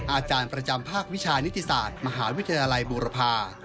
อาจารย์ประจำภาควิชานิติศาสตร์มหาวิทยาลัยบูรพา